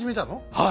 はい。